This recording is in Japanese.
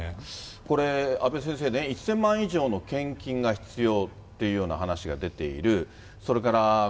これ、阿部先生ね、１０００万以上の献金が必要っていうような話が出ている。